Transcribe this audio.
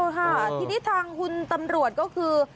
ค่ะทีนี้ทางคุณตำรวจก็คือ